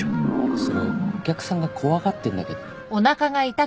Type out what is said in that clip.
それお客さんが怖がってんだけど。